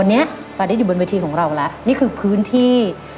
วันนี้ฟาดอยู่บนเวทีของเราแล้วนี่คือพื้นที่